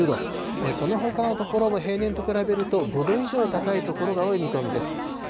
そのほかの所も平年と比べると５度以上高い所が多い見込みです。